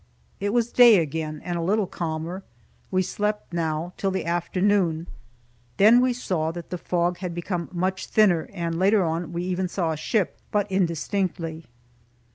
It was day again, and a little calmer. We slept now, till the afternoon. Then we saw that the fog had become much thinner, and later on we even saw a ship, but indistinctly.